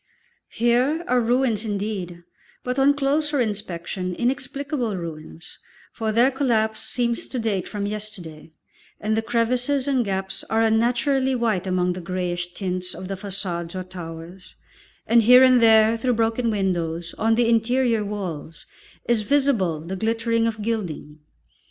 Here are ruins indeed, but on closer inspection, inexplicable ruins, for their collapse seems to date from yesterday, and the crevices and gaps are unnaturally white among the greyish tints of the façades or towers, and here and there, through broken windows, on the interior walls is visible the glittering of gilding.